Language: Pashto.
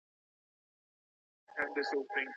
د بریا لپاره د انسان داخلي جذبه ډېر اهمیت لري.